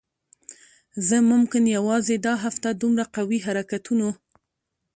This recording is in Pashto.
زه ممکن یوازی دا هفته دومره قوي حرکتونو